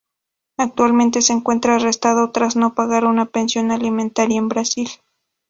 Actualmente se encuentra arrestado tras no pagar una pensión alimentaria en Brasil.